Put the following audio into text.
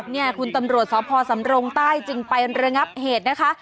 เนี่ยคุณตำรวจสพสำรงใต้จึงไประงับเหตุนะคะ